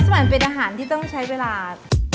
มันเป็นอาหารที่ต้องใช้เวลา